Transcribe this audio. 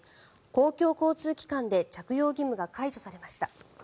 公共交通機関で着用義務が解除されました。